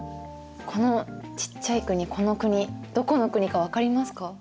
このちっちゃい国この国どこの国か分かりますか？